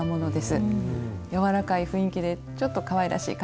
柔らかい雰囲気でちょっとかわいらしい感じになりますよね。